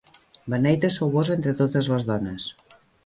Beneita sou vós entre totes les dones.